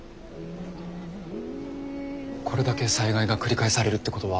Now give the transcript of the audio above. これだけ災害が繰り返されるってことは。